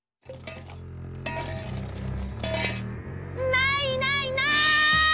ないないない！